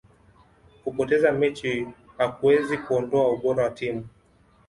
kupoteza mechi hakuwezi kuondoa ubora wa timu